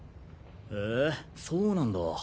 へえそうなんだ。